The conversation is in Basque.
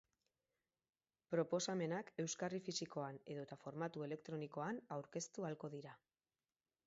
Proposamenak euskarri fisikoan edota formatu elektronikoan aurkeztu ahalko dira.